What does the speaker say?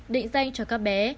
định danh cho các bé